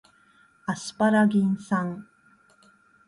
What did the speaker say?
アスパラギン酸